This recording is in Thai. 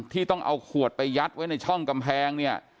ที่ต้องเอาขวดไปยัดไว้ในช่องกำแพงเนี่ย